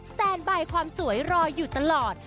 แตนบายความสวยรออยู่ตลอด